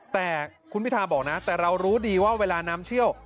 แต่คุณพิทาบอกนะแต่เรารู้ดีว่าเวลาน้ำเชี่ยว